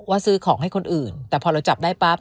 ซื้อของให้คนอื่นแต่พอเราจับได้ปั๊บ